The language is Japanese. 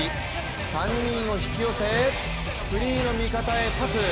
３人を引き寄せ、フリーの味方へパス。